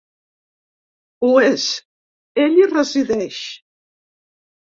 Ho és, ell hi resideix.